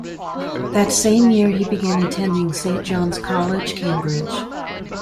That same year he began attending Saint John's College, Cambridge.